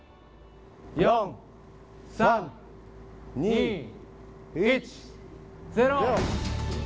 ４、３、２、１、０。